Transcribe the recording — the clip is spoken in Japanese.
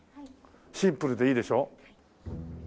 シンプルでいいでしょ？